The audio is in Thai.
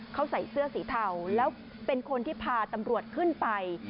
เขาใส่เสื้อสีเทาแล้วเป็นคนที่พาตำรวจขึ้นไป